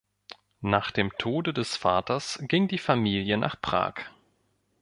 Nach dem Tode des Vaters ging die Familie nach Prag.